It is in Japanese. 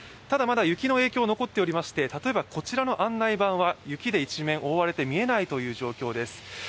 ただ、雪の影響はまだ残っておりまして、例えばこちらの案内板は雪で一面覆われて見えないという状況です。